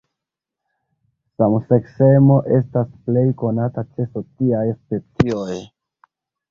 Samseksemo estas plej konata ĉe sociaj specioj.